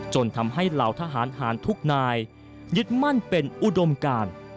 จนทำให้เหล่าทหารหารทุกนายยึดมั่นเป็นอุดมการ